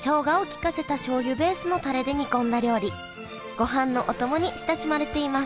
ごはんのお供に親しまれています